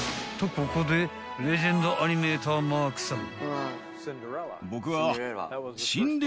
ここでレジェンドアニメーターマークさん］